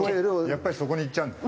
やっぱりそこにいっちゃうんだ。